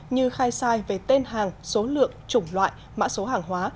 như khai sai về tên hàng số lượng chủng loại mã số hàng hóa